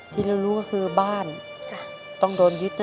ที่เรารู้ก็คือบ้านต้องโดนยึดนะ